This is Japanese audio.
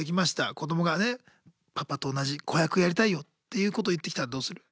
子どもがね「パパと同じ子役やりたいよ」ということを言ってきたらどうする？